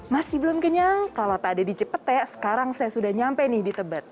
masih belum kenyang kalau tadi di cipetek sekarang saya sudah nyampe nih di tebet